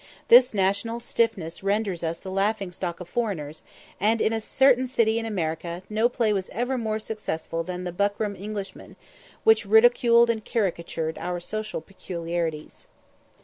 This national stiffness renders us the laughing stock of foreigners; and in a certain city in America no play was ever more successful than the 'Buckram Englishman,' which ridiculed and caricatured our social peculiarities.